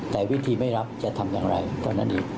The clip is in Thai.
แต่วิธีไม่รับจะทำอย่างไรก็นั้นอีก